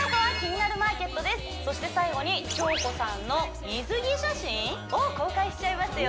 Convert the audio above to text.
そして最後に京子さんの水着写真？を公開しちゃいますよ